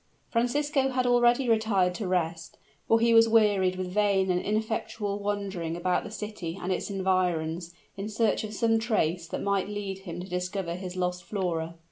Francisco had already retired to rest, for he was wearied with vain and ineffectual wandering about the city and its environs in search of some trace that might lead him to discover his lost Flora.